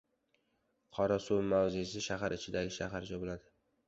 Qorasuv mavzesi shahar ichidagi shaharcha bo‘ladi